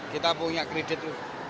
kita punya kredit